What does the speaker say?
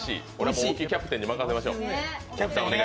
大木キャプテンにお願いしよう。